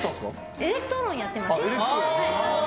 エレクトーンやってました。